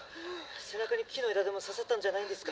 背中に木の枝でも刺さったんじゃないんですか？